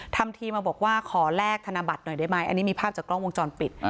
ทำทีมาบอกว่าขอแลกธนบัตรหน่อยได้ไหมอันนี้มีภาพจากกล้องวงจรปิด